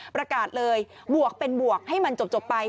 ประกาศเลยบวกเป็นบวกให้มันจบไป